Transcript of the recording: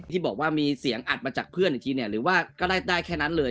ที่บอกว่ามีเสียงอัดมาจากเพื่อนอีกทีเนี่ยหรือว่าก็ได้แค่นั้นเลย